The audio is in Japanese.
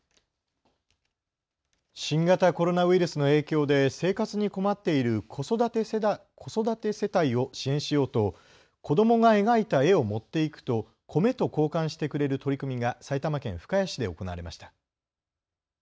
新型コロナウイルスの影響で生活に困っている子育て世帯を支援しようと子どもが描いた絵を持っていくと米と交換してくれる取り組みが埼玉県深谷市で行われました。